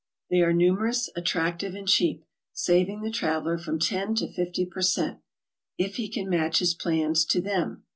They are numerous, attractive, ' and cheap, saving the traveler from 10 to 50 per cent, if he can match his plans to them.